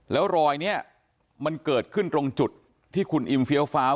แล้วรอยนี้มันเกิดขึ้นตรงจุดที่คุณอิมเฟี้ยวฟ้าว